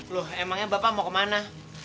loh emangnya bapak mau ke mana